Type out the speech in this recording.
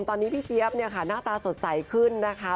ตอนนี้พี่เจี๊ยบเนี่ยค่ะหน้าตาสดใสขึ้นนะคะ